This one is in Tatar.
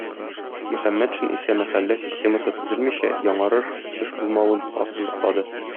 Мөхәммәтшин исә мәхәллә системасы төзелмичә, яңарыш, үсеш булмавын ассызлыклады.